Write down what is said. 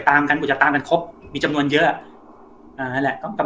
ตามกันกว่าจะตามกันครบมีจำนวนเยอะอ่านั่นแหละก็กำ